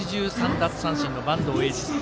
奪三振の板東英二さん